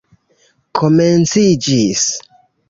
komenciĝis